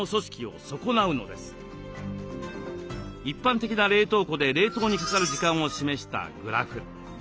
一般的な冷凍庫で冷凍にかかる時間を示したグラフ。